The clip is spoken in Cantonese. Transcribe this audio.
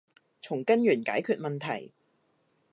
從根源解決問題